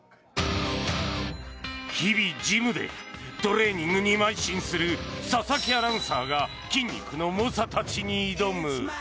日々、ジムでトレーニングにまい進する佐々木アナウンサーが筋肉の猛者たちに挑む。